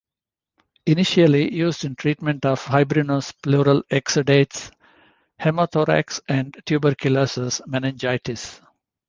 Initially used in treatment of fibrinous pleural exudates, hemothorax and tuberculous meningitis.